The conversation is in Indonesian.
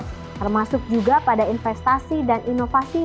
termasuk juga pada investasi dan inovasi